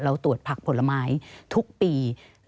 ตรวจผักผลไม้ทุกปี